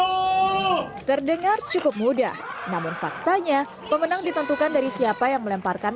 hai jahat terdengar cukup mudah namun faktanya pemenang ditentukan dari siapa yang melemparkan